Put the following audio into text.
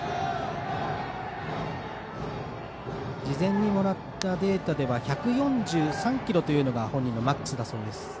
事前にもらったデータでは１４３キロというのが本人のマックスだそうです。